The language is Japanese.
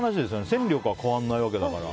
戦力は変わらないわけだから。